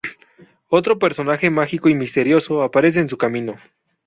Otro personaje mágico y misterioso aparece en su camino.